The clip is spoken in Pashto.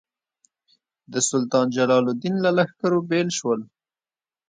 د سلطان جلال الدین له لښکرو بېل شول.